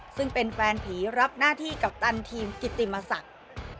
ซึ่งเป็นแฟนผีรับหน้าที่กัปตันทีมกิติมศักดิ์